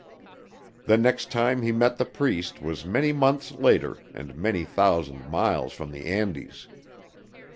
The next time he met the Priest was many months later and many thousand miles from the Andes.